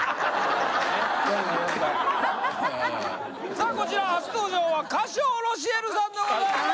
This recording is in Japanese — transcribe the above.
さあこちら初登場は火将ロシエルさんでございます。